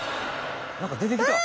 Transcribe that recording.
何か出てきた。